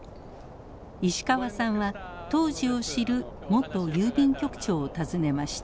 石川さんは当時を知る元郵便局長を訪ねました。